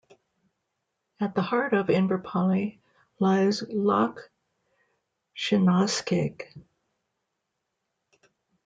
At the heart of Inverpolly lies Loch Sionascaig.